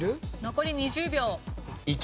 残り２０秒。